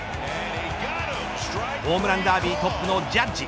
ホームランダービートップのジャッジ。